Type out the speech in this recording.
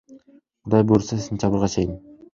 Кудай буйруса, сентябрга чейин.